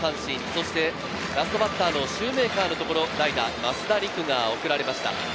そしてラストバッターのシューメーカーのところ、代打・増田陸が送られました。